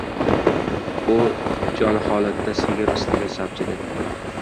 U jonholatda sigir ustiga sapchidi.